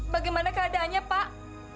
bagaimana keadaannya pak